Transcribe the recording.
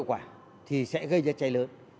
hậu quả thì sẽ gây ra cháy lớn